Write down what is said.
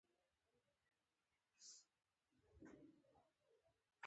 دولتي استحقاقونه شتمنۍ بل شکل دي.